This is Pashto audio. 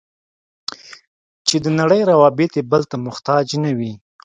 چې د نړۍ روابط یې بل ته محتاج نه وي.